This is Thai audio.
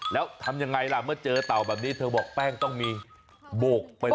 แล้วทำยังไงล่ะเมื่อเจอเต่าแบบนี้เธอบอกแป้งต้องมีโบกไปเลย